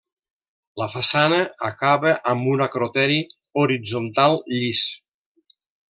La façana acaba amb un acroteri horitzontal llis.